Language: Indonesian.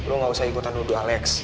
lo gak usah ikutan nudu alex